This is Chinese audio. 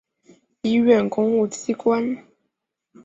医院公务机关